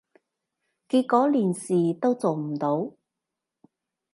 結果連事都做唔到